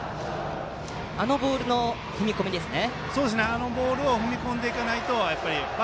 あのボールの踏み込みですね。